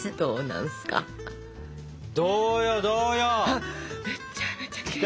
あっめちゃめちゃきれい。